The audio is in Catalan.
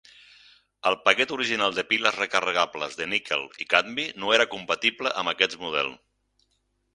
El paquet original de piles recarregables de níquel i cadmi no era compatible amb aquest model.